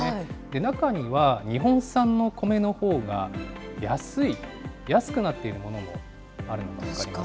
中には日本産のコメのほうが安い、安くなっているものもあるのが分確かに。